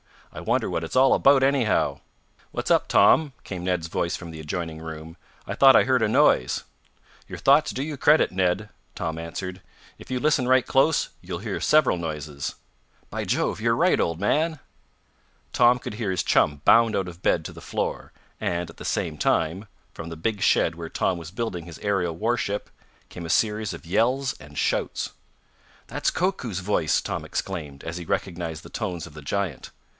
I wonder what it's all about, anyhow." "What's up, Tom?" came Ned's voice from the adjoining room. "I thought I heard a noise." "Your thoughts do you credit, Ned!" Tom answered. "If you listen right close, you'll hear several noises." "By Jove! You're right, old man!" Tom could hear his chum bound out of bed to the floor, and, at the same time, from the big shed where Tom was building his aerial warship came a series of yells and shouts. "That's Koku's voice!" Tom exclaimed, as he recognized the tones of the giant.